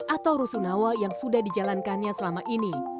atau rusunawa yang sudah dijalankannya selama ini